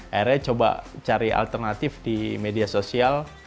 akhirnya coba cari alternatif di media sosial